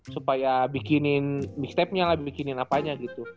supaya bikinin mixtapenya lah bikinin apanya gitu